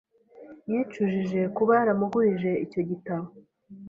Yicujije kuba yaramugurije icyo gitabo.